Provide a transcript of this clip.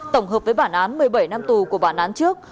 tổng hợp với bản án một mươi bảy năm tù của bản án trước